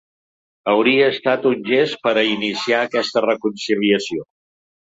Hauria estat un gest per a iniciar aquesta reconciliació.